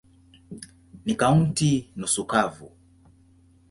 Ni kaunti nusu kavu.